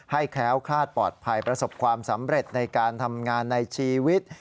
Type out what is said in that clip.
แคล้วคลาดปลอดภัยประสบความสำเร็จในการทำงานในชีวิต